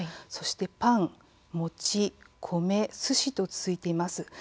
パン、餅、米、すしと続いています。